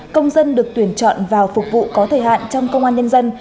công dân được tuyển chọn vào phục vụ có thời hạn trong công an nhân dân